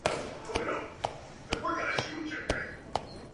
Otros músicos del panorama español aportaron su grano de arena, realizando remixes.